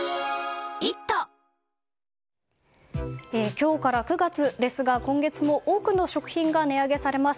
今日から９月ですが今月も多くの食品が値上げされます。